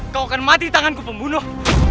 kau akan mati di tanganku pembunuh